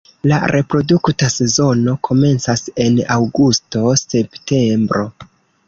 La reprodukta sezono komencas en aŭgusto-septembro.